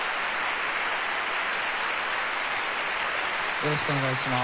よろしくお願いします。